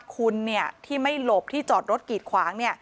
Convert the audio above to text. คุณที่ไม่หลบที่จอดรถกีดขวาง